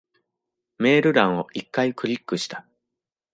メール欄を一回クリックした。